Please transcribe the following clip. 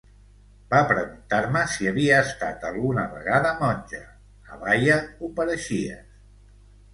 Va preguntar-me si havia estat alguna vegada monja, a Baia ho pareixies!